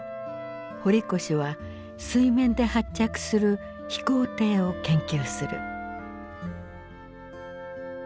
堀越は水面で発着する飛行艇を研究する。